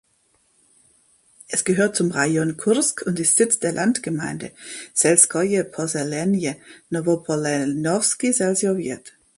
Es gehört zum Rajon Kursk und ist Sitz der Landgemeinde "(selskoje posselenije) Nowoposselenowski selsowjet".